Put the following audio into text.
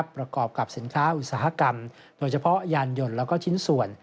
ประกอบกับสินค้าอุตสาหกรรมโดยเฉพาะยานยนต์แล้วก็ชิ้นส่วน